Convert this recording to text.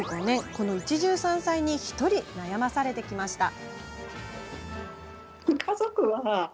この一汁三菜に１人、悩まされてきました。